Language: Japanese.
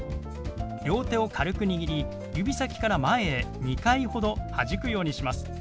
両手を軽く握り指先から前へ２回ほどはじくようにします。